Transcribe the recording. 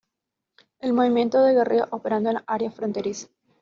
El movimiento de guerrillas, operando en las áreas fronterizas.